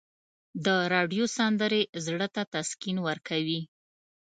د راډیو سندرې زړه ته تسکین ورکوي.